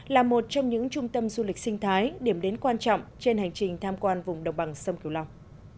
là một trong những trung tâm du lịch sinh thái điểm đến quan trọng trên hành trình tham quan vùng đồng bằng sông kiều long